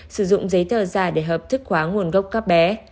sử dụng giấy tờ giả để hợp thức hóa nguồn gốc các bé